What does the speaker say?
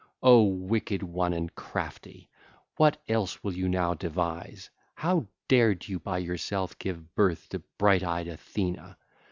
O wicked one and crafty! What else will you now devise? How dared you by yourself give birth to bright eyed Athena?